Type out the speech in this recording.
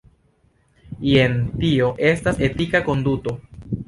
Jen tio estas etika konduto.